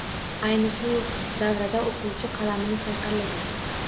Ayni shu davrda o‘quvchi qalamini sayqallagan.